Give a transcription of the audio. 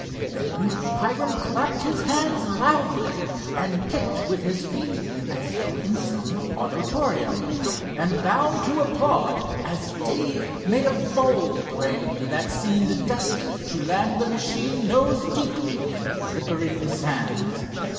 Then Hiram clapped his hands loudly, and kicked with his feet, as though in some auditorium, and bound to applaud, as Dave made a volplane that seemed destined to land the machine nose deep in the flickering sands.